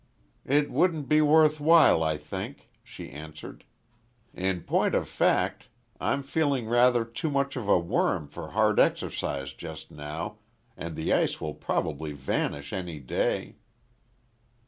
"It wouldn't be worth while I think," she answered. "In point of fact I'm feeling rather too much of a worm for hard exercise just now, and the ice will probably vanish any day."